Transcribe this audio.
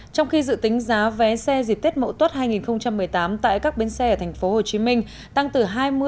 trong khi dự tính giá vé xe dịp tết mẫu tuất hai nghìn một mươi tám tại các bến xe ở tp hcm tăng từ hai mươi sáu mươi